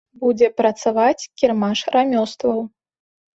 Будзе працаваць кірмаш рамёстваў.